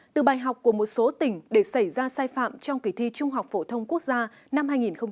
từ bài học của một số tỉnh để xảy ra sai phạm trong kỳ thi trung học phổ thông quốc gia năm hai nghìn một mươi tám